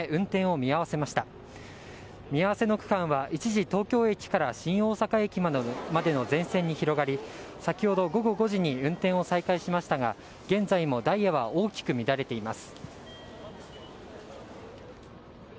見合わせの区間は一時、東京駅から新大阪駅までの全線に広がり先ほど午後５時に運転を再開しましたが現在もダイヤは大きく乱れています。